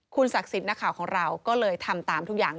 คุณศักดิ์สิทธิ์นักข่าวของเราก็เลยทำตามทุกอย่าง